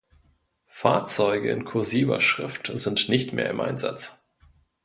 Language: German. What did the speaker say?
Fahrzeuge in "kursiver Schrift" sind nicht mehr im Einsatz.